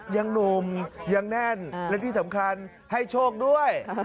ยังหนุ่มยังแน่นและที่สำคัญให้โชคด้วย